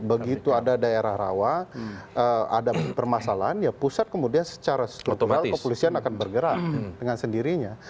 begitu ada daerah rawa ada permasalahan ya pusat kemudian secara struktural kepolisian akan bergerak dengan sendirinya